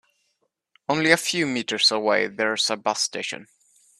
Only a few meters away there is a bus station.